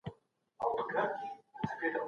مذهبي مدرسو يوازې خپلی ښوونې کولې.